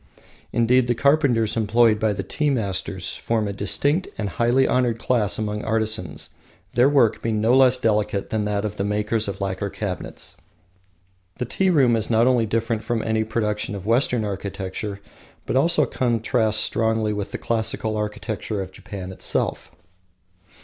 Indeed, the carpenters employed by the tea masters form a distinct and highly honoured class among artisans, their work being no less delicate than that of the makers of lacquer cabinets. The tea room is not only different from any production of Western architecture, but also contrasts strongly with the classical architecture of Japan itself.